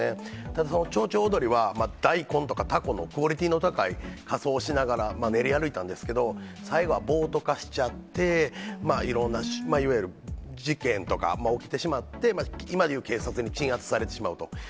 ただ、ちょうちょう踊りは大根とかたこのクオリティーの高い仮装をしながら、練り歩いたんですけれども、最後は暴徒化しちゃって、いわゆる事件とか起きてしまって、今で言う警察に鎮圧されてしまうと。